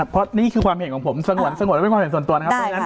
เพราะนี่คือความเห็นของผมสงสัยไม่ความเห็นส่วนตัวนะครับ